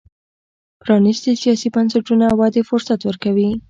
پرانیستي سیاسي بنسټونه ودې فرصت ورکوي.